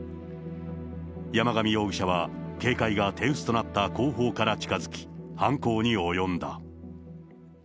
山上容疑者は警戒が手薄となった後方から近づき、犯行に及んだ。